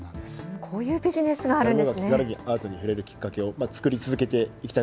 こういうビジネスがあるんですね。